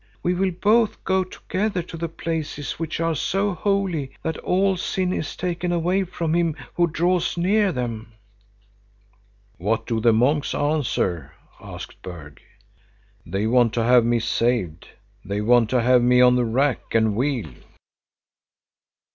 We will both go together to the places which are so holy that all sin is taken away from him who draws near them.'" "What do the monks answer?" asked Berg. "They want to have me saved. They want to have me on the rack and wheel."